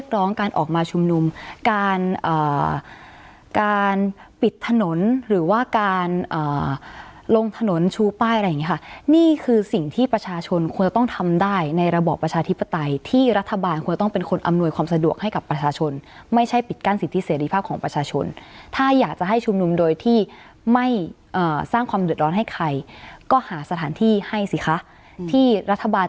ร้องการออกมาชุมนุมการการปิดถนนหรือว่าการลงถนนชูป้ายอะไรอย่างนี้ค่ะนี่คือสิ่งที่ประชาชนควรจะต้องทำได้ในระบอบประชาธิปไตยที่รัฐบาลควรต้องเป็นคนอำนวยความสะดวกให้กับประชาชนไม่ใช่ปิดกั้นสิทธิเสรีภาพของประชาชนถ้าอยากจะให้ชุมนุมโดยที่ไม่สร้างความเดือดร้อนให้ใครก็หาสถานที่ให้สิคะที่รัฐบาล